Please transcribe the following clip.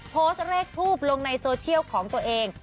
โพสต์เลขทูปลงในโซเชียลของตัวเอง